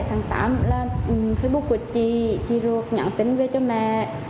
tháng tám là facebook của chị chị ruột nhắn tin về cho mẹ